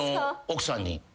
奥さんに。